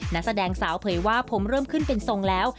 นักแสดงสาวเผยว่าผมเริ่มขึ้นเป็นทรงแล้ว